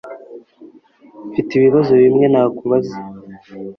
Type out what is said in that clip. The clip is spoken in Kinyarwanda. Mfite ibibazo bimwe nakubaza